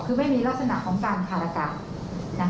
คือไม่มีลักษณะของการทารกะ